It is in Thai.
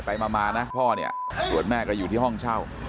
ไปมานะพ่อเนี่ยส่วนแม่ก็อยู่ที่ห้องเช่า